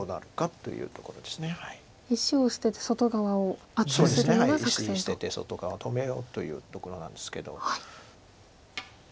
石捨てて外側を止めようというところなんですけど。